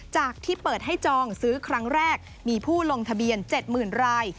จากที่เปิดให้จองซื้อครั้งแรกมีผู้ลงทะเบียน๗๐๐ราย